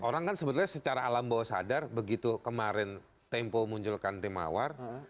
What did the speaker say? orang kan sebetulnya secara alam bawah sadar begitu kemarin tempo munculkan tim awar